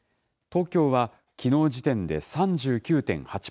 東京はきのう時点で３９．８％。